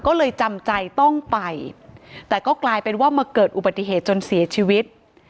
ก็เลยจำใจต้องไปแต่ก็กลายเป็นว่ามาเกิดอุบัติเหตุจนเสียชีวิต